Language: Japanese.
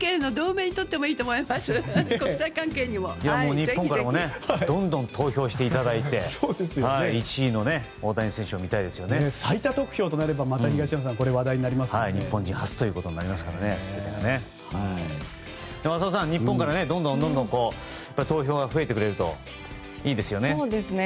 日本からもどんどん投票していただいて最多得票となれば日本人初となりますから浅尾さん、日本からどんどん投票が増えてくれるといいですよね。